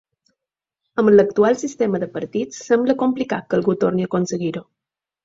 Amb l’actual sistema de partits, sembla complicat que algú torni a aconseguir-ho.